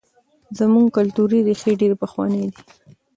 زموږ کلتوري ریښې ډېرې پخوانۍ دي.